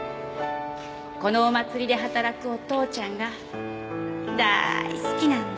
このお祭りで働くお父ちゃんがだーい好きなんだ。